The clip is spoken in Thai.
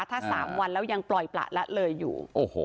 ถ้า๓วันแล้วยังปล่อยประละเลยอยู่